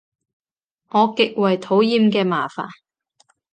我極為討厭嘅麻煩